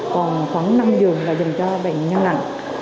còn khoảng năm giường là dành cho bệnh nhân nặng